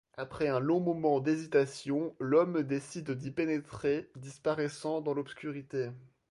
Après un long moment d'hésitation, l'homme décide d'y pénétrer, disparaissant dans l'obscurité.